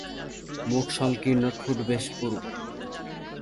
মুখ সংকীর্ণ, ঠোঁট বেশ পুরু।